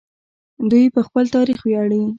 دوی په خپل تاریخ ویاړي.